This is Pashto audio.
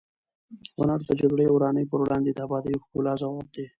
هنر د جګړې او ورانۍ پر وړاندې د ابادۍ او ښکلا ځواب دی.